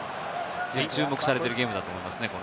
注目されているゲームだと思いますね。